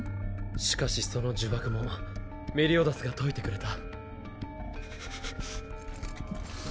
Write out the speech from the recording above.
しかしその呪縛もメリオダスが解いてくれた。